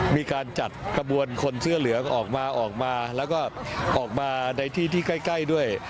มีการจัดกระบวนคนเสื้อเหลืองออกมาออกมาแล้วก็ออกมาในที่ที่ใกล้ด้วย